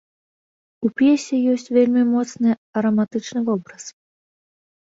У п'есе ёсць вельмі моцны араматычны вобраз.